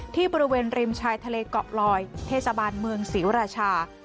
ที่บริเวณริมชายทะเลเกาะลอยเทศบาลเมืองศรีราชา